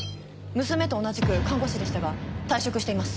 娘と同じく看護師でしたが退職しています。